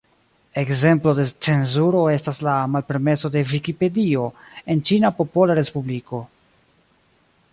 Ekzemplo de cenzuro estas la malpermeso de Vikipedio en Ĉina Popola Respubliko.